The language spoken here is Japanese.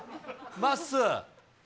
まっすー。